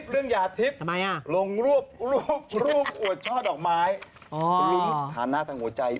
ลิงค์สถานะทางหัวใจ